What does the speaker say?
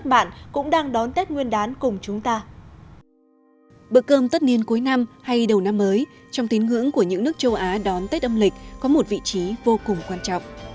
bữa cơm tất niên cuối năm hay đầu năm mới trong tín ngưỡng của những nước châu á đón tết âm lịch có một vị trí vô cùng quan trọng